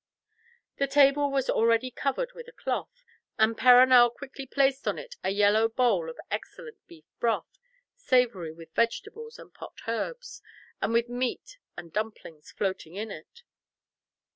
The table was already covered with a cloth, and Perronel quickly placed on it a yellow bowl of excellent beef broth, savoury with vegetables and pot herbs, and with meat and dumplings floating in it.